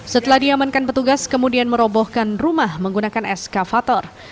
setelah diamankan petugas kemudian merobohkan rumah menggunakan eskavator